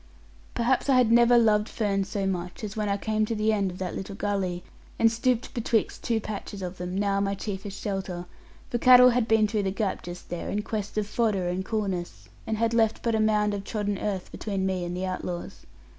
Perhaps I had never loved ferns so much as when I came to the end of that little gully, and stooped betwixt two patches of them, now my chiefest shelter, for cattle had been through the gap just there, in quest of fodder and coolness, and had left but a mound of trodden earth between me and the outlaws.